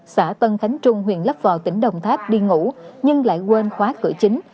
xã tân khánh trung huyện lấp vò tỉnh đồng tháp đi ngủ nhưng lại quên khóa cửa chính